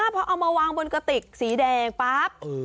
พอเอามาวางก็ติกสีแดงป๊าป